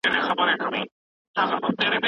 دغه نرمغالی چي دی، تر نورو نرمغالو ډېر ليري تللی دی.